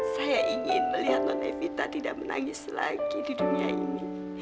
saya ingin melihat lonevita tidak menangis lagi di dunia ini